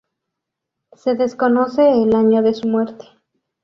Se desconoce el año de su muerte.